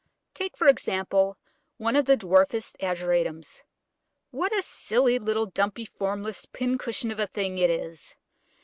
Take, for example, one of the dwarfest Ageratums: what a silly little dumpy, formless, pincushion of a thing it is!